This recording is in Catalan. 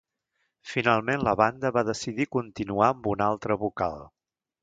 Finalment la banda va decidir continuar amb un altre vocal.